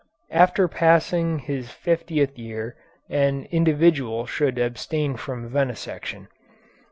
After passing his fiftieth year an individual should abstain from venesection.